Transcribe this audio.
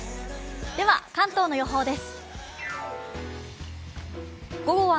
では、関東の予報です。